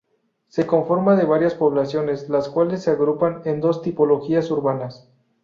Se conforma de varias poblaciones, las cuales se agrupan en dos tipologías urbanas.